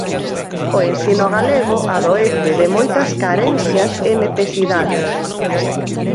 O ensino galego adoece de moitas carencias e necesidades.